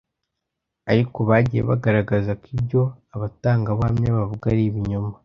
Ariko bagiye bagaragaza ko ibyo abatangabuhamya bavuga ari ibinyoma